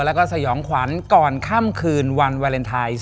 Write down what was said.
แล้วก็สยองขวัญก่อนค่ำคืนวันวาเลนไทย